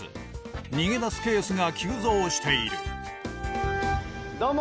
逃げ出すケースが急増しているどーも！